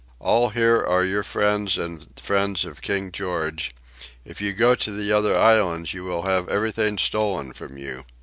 All here are your friends and friends of King George: if you go to the other islands you will have everything stolen from you."